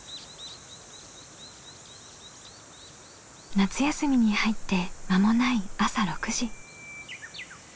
夏休みに入って間もない朝６時。